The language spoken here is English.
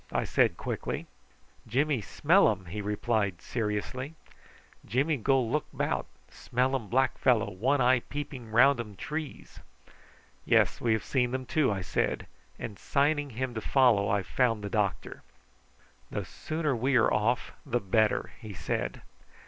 I said quickly. "Jimmy smell am!" he replied seriously. "Jimmy go look 'bout. Smell um black fellow, one eye peeping round um trees." "Yes, we have seen them too," I said; and signing to him to follow, I found the doctor. "The sooner we are off the better!" he said.